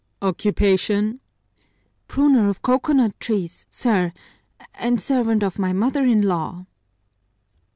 "Occupation?" "Pruner of coconut trees, sir, and servant of my mother in law."